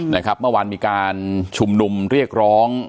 เมื่อวานมีการชุมนุมเรียกร้อง